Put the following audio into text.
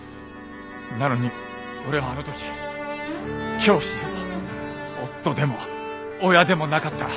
なのに俺はあのとき教師でも夫でも親でもなかった。